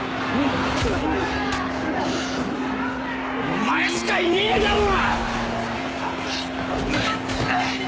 お前しかいねえだろ！